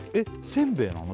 せんべいなの？